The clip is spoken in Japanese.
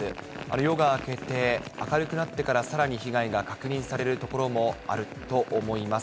夜が明けて明るくなってから、さらに被害が確認される所もあると思います。